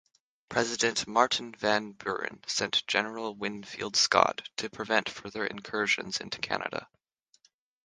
President Martin Van Buren sent General Winfield Scott to prevent further incursions into Canada.